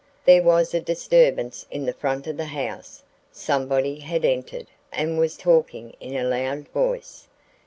There was a disturbance in the front of the house. Somebody had entered and was talking in a loud voice.